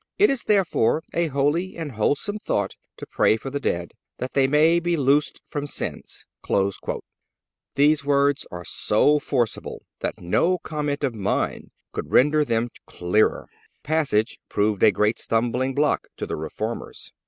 It is, therefore, a holy and wholesome thought to pray for the dead, that they may be loosed from sins."(282) These words are so forcible that no comment of mine could render them clearer. The passage proved a great stumbling block to the Reformers.